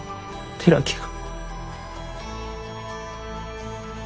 寺木が。